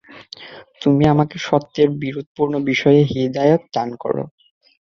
তুমি আমাকে সত্যের বিরোধপূর্ণ বিষয়ে হিদায়ত দান কর।